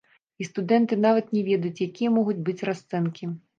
І студэнты нават не ведаюць, якія могуць быць расцэнкі.